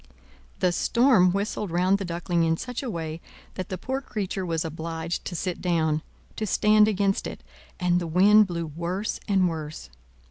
The storm whistled round the Duckling in such a way that the poor creature was obliged to sit down, to stand against it; and the wind blew worse and worse.